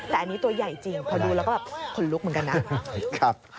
แต่อันนี้ตัวใหญ่จริงพอดูแล้วก็แบบขนลุกเหมือนกันนะ